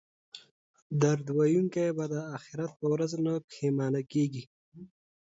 درود ویونکی به د اخرت په ورځ نه پښیمانه کیږي